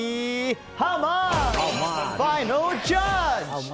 ハウマッチファイナルジャッジ！